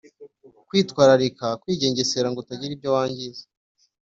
Kwitwararika kwigengesera ngo utagira ibyo wangiza